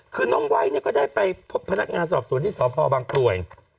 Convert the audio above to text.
คือน้องไวท์เนี่ยก็ได้ไปพบพนักงานสอบสวนที่สพบางกรวย